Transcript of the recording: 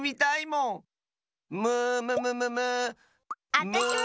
あたしも！